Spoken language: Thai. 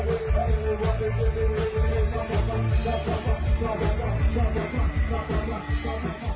ราวุธศิลปะอุทยานแห่งชาติเขาใหญ่